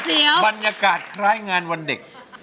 ได้เห็นแม่มีสุขใจ